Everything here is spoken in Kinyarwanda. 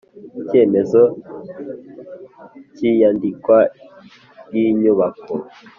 Icyemezo cy iyandikwa ry inyubako